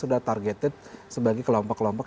sudah targeted sebagai kelompok kelompok